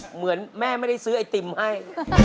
เหมือนแม่ไม่ได้ซื้อไอติมให้